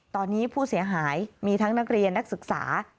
ตอนนี้ผู้เสียหายมีทั้งนักเรียนนักศึกษา